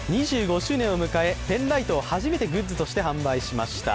２５周年を迎えペンライトを初めてグッズとして販売しました。